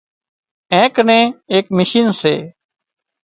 اين ڪنين ايڪ مشين سي